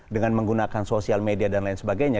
dengan menggunakan sosial media dan lain sebagainya